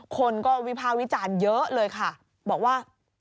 คนก็วิภาควิจารณ์เยอะเลยค่ะบอกว่า